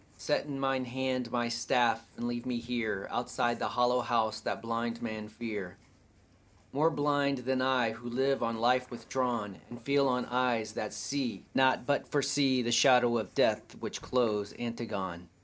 Set in mine hand my staff and leave me here Outside the hollow house that blind men fear, More blind than I who live on life withdrawn And feel on eyes that see not but foresee The shadow of death which clothes Antigone.